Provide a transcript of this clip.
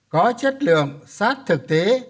có chất lượng sát thực tế